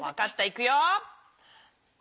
いくよ。